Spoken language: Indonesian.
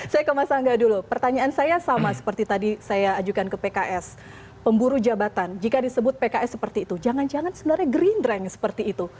sebenarnya gerindrang seperti itu